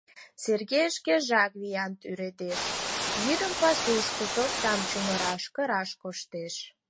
Сергей шкежат виян тӱредеш, йӱдым пасушко кылтам чумыраш, кыраш коштеш.